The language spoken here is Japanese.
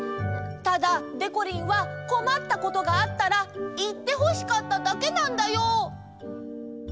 ただでこりんはこまったことがあったらいってほしかっただけなんだよ。